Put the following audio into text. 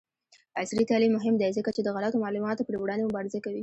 عصري تعلیم مهم دی ځکه چې د غلطو معلوماتو پر وړاندې مبارزه کوي.